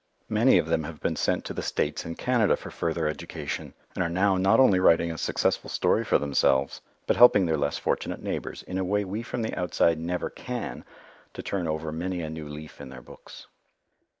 Many of them have been sent to the States and Canada for further education, and are now not only writing a successful story for themselves, but helping their less fortunate neighbours, in a way we from outside never can, to turn over many a new leaf in their books.